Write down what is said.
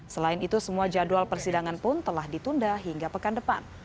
selain itu semua jadwal persidangan pun telah ditunda hingga pekan depan